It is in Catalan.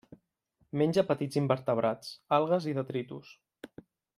Menja petits invertebrats, algues i detritus.